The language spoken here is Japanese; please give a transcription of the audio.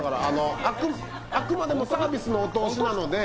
あくまでもサービスのお通しなので・